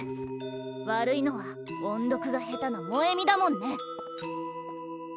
悪いのは音読が下手な萌美だもんね。